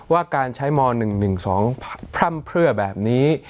ว่าการใช้ม๑๑๒พร่ำเพื่อแบบนี้